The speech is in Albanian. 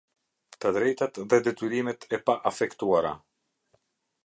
Të drejtat dhe detyrimet e pa-afektuara.